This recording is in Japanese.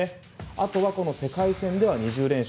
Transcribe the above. あとは世界戦では２０連勝。